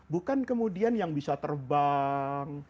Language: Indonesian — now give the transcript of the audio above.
bukan kemudian yang bisa terbang